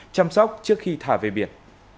chăm sóc trước khi thả về biển